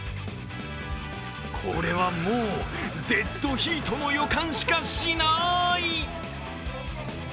これはもうデッドヒートの予感しかしない！